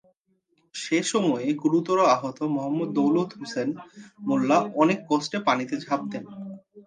সে সময়ে গুরুতর আহত মোহাম্মদ দৌলত হোসেন মোল্লা অনেক কষ্টে পানিতে ঝাঁপ দেন।